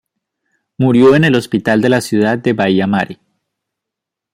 Murió en el hospital de la ciudad de Baia Mare.